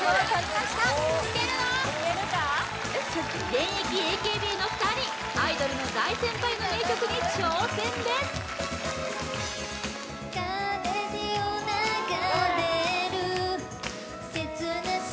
現役ＡＫＢの２人アイドルの大先輩の名曲に挑戦です・大丈夫か？